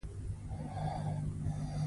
هغه مکتوب چې په اداره کې ترتیبیږي.